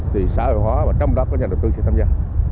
thì xã hội hóa và trong đó có nhà đầu tư sẽ tham gia